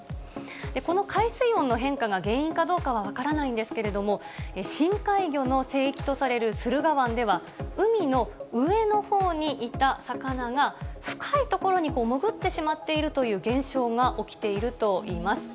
この海水温の変化が原因かどうかは分からないんですけれども、深海魚の聖域とされる駿河湾では、海の上のほうにいた魚が、深い所に潜ってしまっているという現象が起きているといいます。